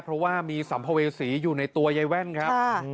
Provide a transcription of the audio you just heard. เพราะว่ามีสัมภเวษีอยู่ในตัวยายแว่นครับ